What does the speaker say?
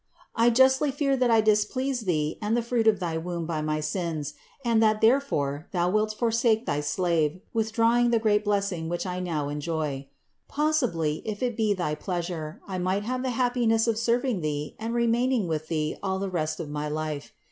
I justly fear that I displease Thee and the Fruit of thy womb by my sins, and that therefore thou wilt forsake thy slave, with drawing the great blessing, which I now enjoy. Pos sibly, if it be thy pleasure, I might have the happiness of serving Thee and remaining with Thee all the rest of my life.